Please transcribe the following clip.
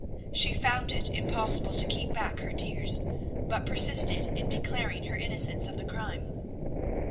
She found it impossible to keep back her tears, but persisted in declaring her innocence of the crime.